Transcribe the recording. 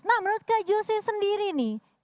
nah menurut kak jose sendiri nih